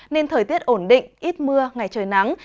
nên thời tiết ổn định ít mưa ngày trời nắng